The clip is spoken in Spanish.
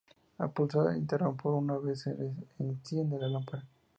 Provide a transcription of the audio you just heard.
Al pulsar el interruptor una vez se enciende la lámpara.